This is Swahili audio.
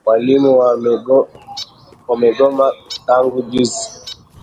Walimu wamegoma tangu juzi.